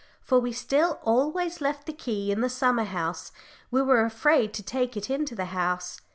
For we still always left the key in the summer house we were afraid to take it into the house.